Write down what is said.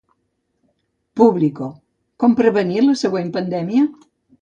Público: Com prevenir la següent pandèmia?